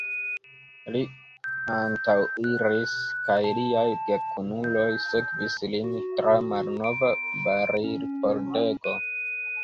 Li antaŭiris, kaj liaj gekunuloj sekvis lin tra malnova barilpordego.